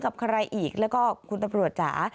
กับใครอีกแล้วก็คุณตำรวจจ๋า